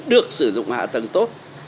được sử dụng hạ tầng tốt